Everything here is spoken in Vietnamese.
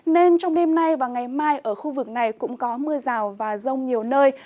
nên trong đêm nay và ngày mai ở khu vực này cũng có mưa rào và rông nhiều nơi